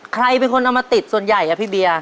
ใครเป็นคนเอามาติดส่วนใหญ่อะพี่เบียร์